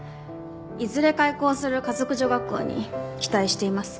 いずれ開校する華族女学校に期待しています。